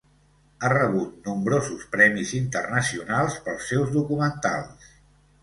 Ha rebut nombrosos premis internacionals pels seus documentals.